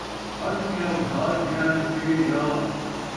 بٹھ پیا ادھار، جیڑھا نکھیڑے یا